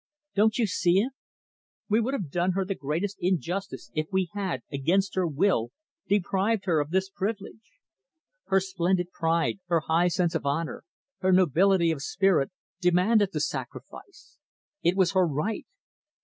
Don't you see it? We would have done her the greatest injustice if we had, against her will, deprived her of this privilege. Her splendid pride, her high sense of honor, her nobility of spirit demanded the sacrifice. It was her right.